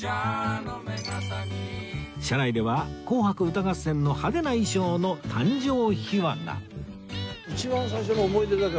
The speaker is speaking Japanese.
車内では『紅白歌合戦』の派手な衣装の誕生秘話が